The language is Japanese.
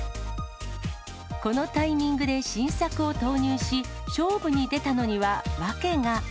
このタイミングで新作を投入し、勝負に出たのには訳が。